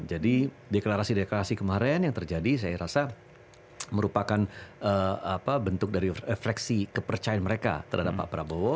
jadi deklarasi deklarasi kemarin yang terjadi saya rasa merupakan bentuk refleksi kepercayaan mereka terhadap pak prabowo